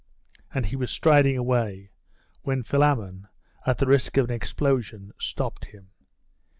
And he was striding away, when Philammon, at the risk of an explosion, stopped him.